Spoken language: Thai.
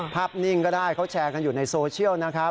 นิ่งก็ได้เขาแชร์กันอยู่ในโซเชียลนะครับ